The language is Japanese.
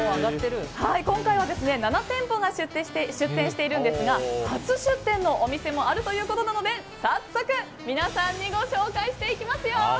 今回は７店舗が出店しているんですが初出店のお店もあるということなので早速、皆さんにご紹介していきます。